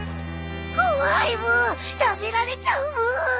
怖いブー食べられちゃうブー！